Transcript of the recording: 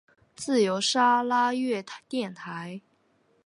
自由砂拉越电台。